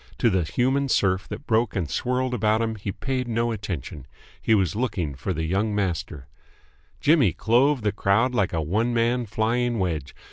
To the human surf that broke and swirled about him he paid no attention. He was looking for the young master. Jimmy clove the crowd like a one man flying wedge.